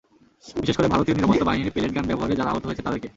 বিশেষ করে ভারতীয় নিরাপত্তা বাহিনীর পেলেট গান ব্যবহারে যারা আহত হয়েছে তাদেরকে।